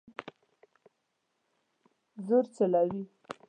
زور چلوي